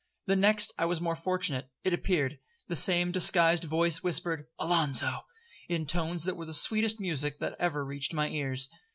The next I was more fortunate; it appeared. The same disguised voice whispered 'Alonzo,' in tones that were the sweetest music that ever reached my ears.